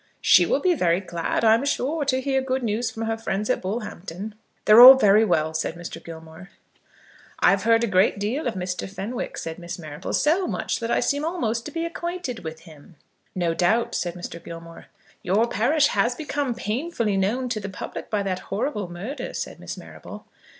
"She will be very glad, I'm sure, to hear good news from her friends at Bullhampton." "They're all very well," said Mr. Gilmore. "I've heard a great deal of Mr. Fenwick," said Miss Marrable; "so much that I seem almost to be acquainted with him." "No doubt," said Mr. Gilmore. "Your parish has become painfully known to the public by that horrible murder," said Miss Marrable.